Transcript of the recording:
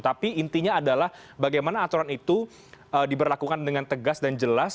tapi intinya adalah bagaimana aturan itu diberlakukan dengan tegas dan jelas